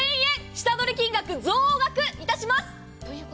下取り金額、増額いたします。